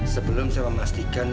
sebelum saya memastikan